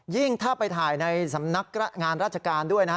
ถ้าไปถ่ายในสำนักงานราชการด้วยนะฮะ